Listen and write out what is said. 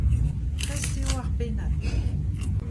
Prest eo ar pennad.